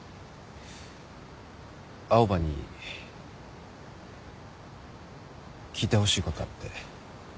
青羽に聞いてほしいことあって。